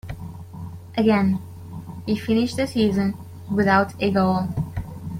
Again, he finished the season without a goal.